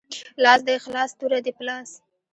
لاس دی خلاص توره دی په لاس